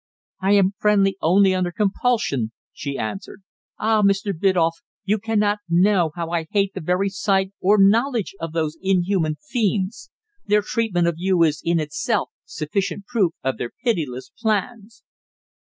"I am friendly only under compulsion," she answered. "Ah! Mr. Biddulph, you cannot know how I hate the very sight or knowledge of those inhuman fiends. Their treatment of you is, in itself, sufficient proof of their pitiless plans."